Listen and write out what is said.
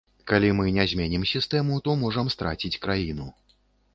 Калі мы не зменім сістэму, то можам страціць краіну.